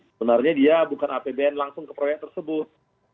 sebenarnya dia bukan apbn langsung ke proyek tersebut